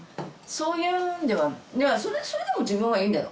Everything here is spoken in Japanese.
そういうんではそれでも自分はいいんだよ